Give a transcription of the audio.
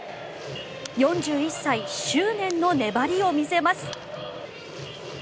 ４１歳、執念の粘りを見せます。